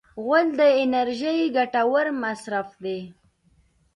غول د انرژۍ ګټور مصرف دی.